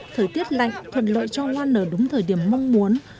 thời tiết lạnh thuận lợi cho hoa nở đúng thời điểm mong muốn